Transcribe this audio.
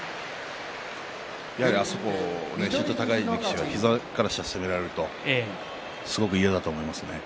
やはりあそこ身長の高い力士は膝から下を攻められるとすごく嫌だと思いますね。